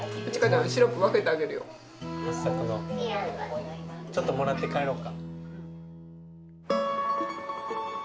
はっさくのちょっともらって帰ろうか。